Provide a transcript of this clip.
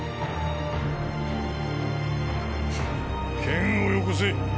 剣をよこせ。